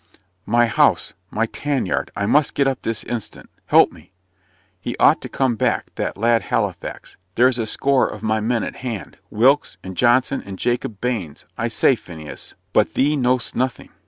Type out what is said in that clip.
"My house my tan yard I must get up this instant help me. He ought to come back that lad Halifax. There's a score of my men at hand Wilkes, and Johnson, and Jacob Baines I say, Phineas but thee know'st nothing."